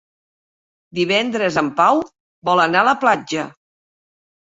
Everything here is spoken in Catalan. Divendres en Pau vol anar a la platja.